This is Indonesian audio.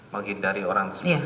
menghindari orang tersebut